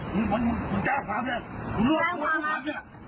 ปิดแปลงอะไรไม่มีปิดแปลงอะไรไม่มี